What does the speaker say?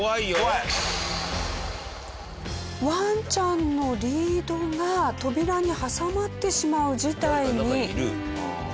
ワンちゃんのリードが扉に挟まってしまう事態に！